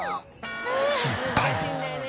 失敗。